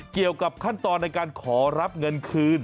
เกี่ยวกับขั้นตอนในการขอรับเงินคืน